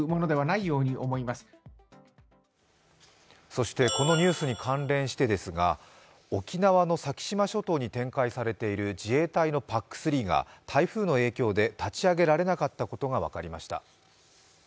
そしてこのニュースに関連してですが、沖縄の先島諸島に展開されている自衛隊のＰＡＣ３が台風の影響で立ち上げられなかったことが分かりました。